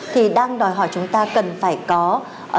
thì đang đòi hỏi chúng ta cần phải có